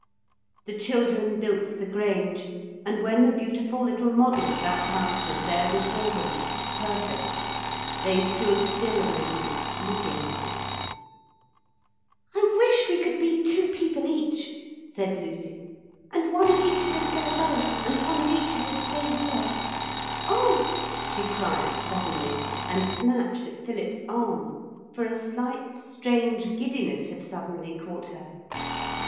The children built the Grange, and when the beautiful little model of that house was there before them, perfect, they stood still a moment, looking at it. 'I wish we could be two people each,' said Lucy, 'and one of each of us go home and one of each of us stay here. Oh!' she cried suddenly, and snatched at Philip's arm. For a slight strange giddiness had suddenly caught her.